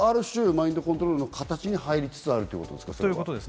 それはマインドコントロールの形に入りつつあるということですか？